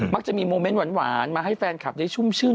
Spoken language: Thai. จะมีโมเมนต์หวานมาให้แฟนคลับได้ชุ่มชื่น